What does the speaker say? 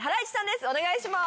お願いします。